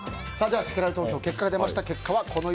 せきらら投票、結果が出ました。